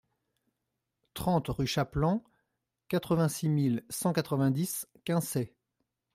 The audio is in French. trente rue Champlan, quatre-vingt-six mille cent quatre-vingt-dix Quinçay